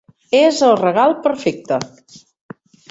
És el regal perfecte.